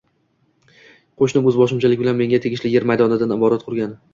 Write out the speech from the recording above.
Qo‘shnim o‘zboshimchalik bilan menga tegishli yer maydonida imorat qurgan.